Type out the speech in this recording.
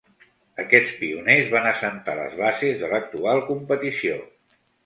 Aquests pioners van assentar les bases de l'actual competició.